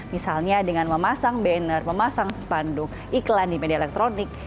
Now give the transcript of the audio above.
misalnya dengan memasang banner memasang spanduk iklan di media elektronik